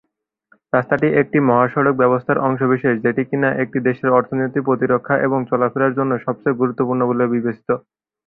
রাস্তাটি জাতীয় মহাসড়ক ব্যবস্থার অংশবিশেষ, যেটি কিনা একটি দেশের অর্থনীতি, প্রতিরক্ষা এবং চলাফেরার জন্য সবচেয়ে গুরুত্বপূর্ণ বলে বিবেচিত।